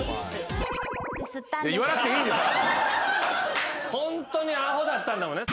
言わなくていいでしょ。